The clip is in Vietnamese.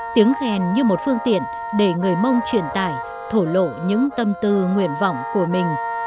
tiếng khen như một phương tiện để người mông truyền tải thổ lộ những tâm tư nguyện vọng của mình